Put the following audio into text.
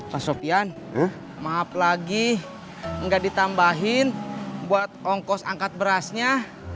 pasok yan maaf lagi enggak ditambahin buat ongkos angkat berasnya